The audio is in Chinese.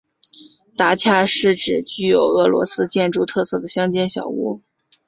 达恰是指具有俄罗斯建筑特色的乡间小屋。